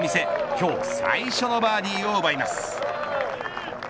今日最初のバーディーを奪います。